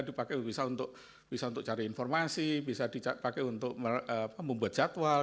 dipakai bisa untuk cari informasi bisa dipakai untuk membuat jadwal